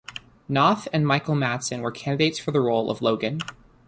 Noth and Michael Madsen were candidates for the role of Logan.